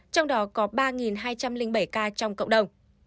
trong đó có ba hai trăm linh bảy ca trong cộng đồng